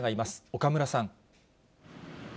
岡村さん。